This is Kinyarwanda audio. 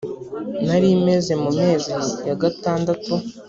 nari meze mu mezi ya gatandatu